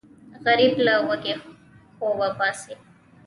غریب له وږي خوبه پاڅي